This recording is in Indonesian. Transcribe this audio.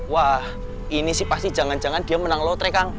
wah ini sih pasti jangan jangan dia menang law trek kang